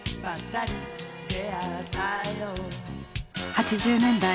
８０年代